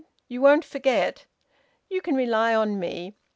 "You won't forget?" "You can rely on me.